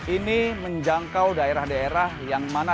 ini menjangkau daerah daerah yang mana